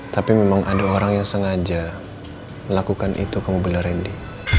tapi memang ada orang yang sengaja melakukan itu ke mobil randy